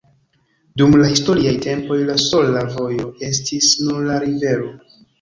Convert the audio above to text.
Dum la historiaj tempoj la sola vojo estis nur la rivero.